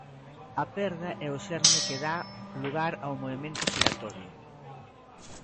A perda é o xerme que dá lugar ao movemento xiratorio.